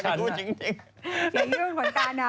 เขาจะเยื่อมคนตาเนอะ